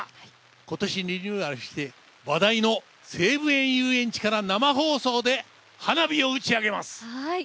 今年リニューアルして話題の西武園ゆうえんちから生放送で花火を打ち上げます。